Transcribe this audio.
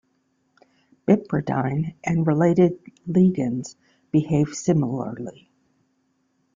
Bipyridine and related ligands behave similarly.